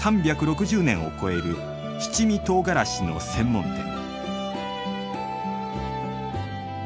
３６０年を超える七味唐辛子の専門店。